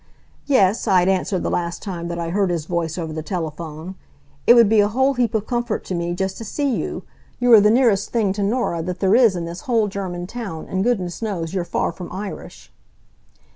"Yes," I had answered the last time that I heard his voice over the telephone. "It would be a whole heap of comfort to me just to see you. You are the nearest thing to Norah that there is in this whole German town, and goodness knows you're far from Irish."